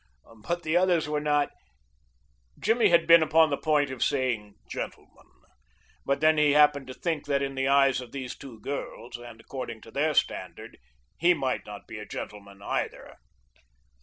"But the others were not " Jimmy been upon the point of saying gentlemen, but then he happened to think that in the eyes of these two girls, and according to their standard, he might not be a gentleman, either.